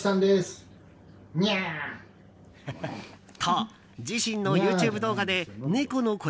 と自身のＹｏｕＴｕｂｅ動画で猫の声